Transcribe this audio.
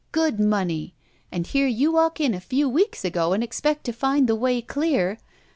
Good money. And here you walk in a few weeks ago and expect to find the way dear!